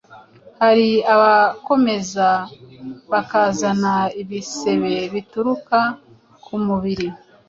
hari abakomeza bakazana ibisebe bitukura ku mubiri.”